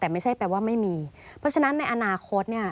แต่ไม่ใช่แปลว่าไม่มีเพราะฉะนั้นในอนาคตเนี่ย